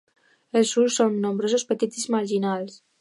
Els ulls són nombrosos, petits i marginals.